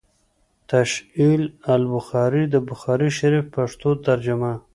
“ تشعيل البخاري” َد بخاري شريف پښتو ترجمه